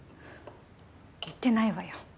言ってないわよ。